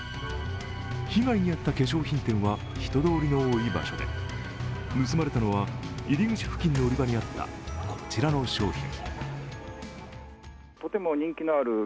被害に遭った化粧品店は人通りの多い場所で盗まれたのは入り口付近の売り場にあった、こちらの商品。